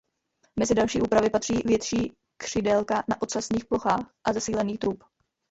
Mezi další úpravy patří větší křidélka na ocasních plochách a zesílený trup.